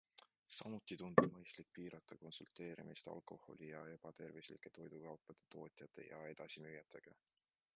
Samuti tundub mõistlik piirata konsulteerimist alkoholi- ja ebatervislike toidukaupade tootjate ja edasimüüjatega.